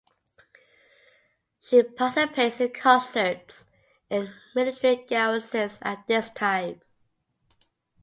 She participates in concerts in military garrisons at this time.